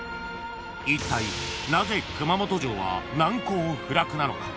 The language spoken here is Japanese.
［いったいなぜ熊本城は難攻不落なのか］